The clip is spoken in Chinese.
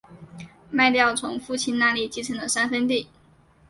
卖掉从父亲那里继承的三分地